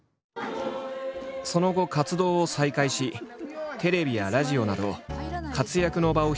その後活動を再開しテレビやラジオなど活躍の場を広げていった冨永。